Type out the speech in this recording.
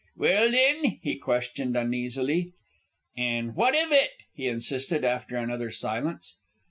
"Well, thin?" he questioned, uneasily. "An' what iv it?" he insisted after another silence.